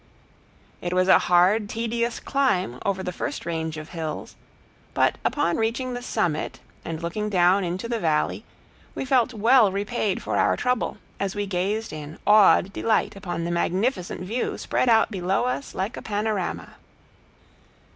It was a hard, tedious climb over the first range of hills, but upon reaching the summit and looking down into the valley we felt well repaid for our trouble, as we gazed in awed delight upon the magnificent view spread out below us like a panorama.